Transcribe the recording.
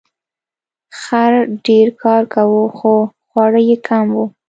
خر ډیر کار کاوه خو خواړه یې کم وو.